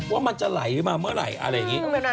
ว่ามันจะไหลมาเมื่อไหร่อะไรอย่างนี้